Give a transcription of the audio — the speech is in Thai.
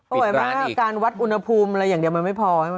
โอ๋ยไหมถ้าการวัดอุณภูมิอะไรอย่างเดี๋ยวมันไม่พอ